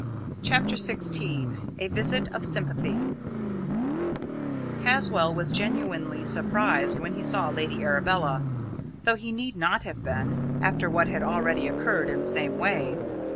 CHAPTER XVI A VISIT OF SYMPATHY Caswall was genuinely surprised when he saw Lady Arabella, though he need not have been, after what had already occurred in the same way.